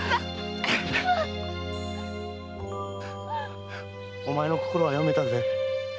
〔お前の心は読めたぜ〕